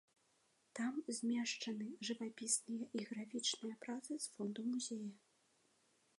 Там змешчаны жывапісныя і графічныя працы з фонду музея.